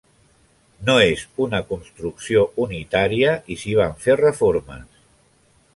No és una construcció unitària, i s'hi van fer reformes.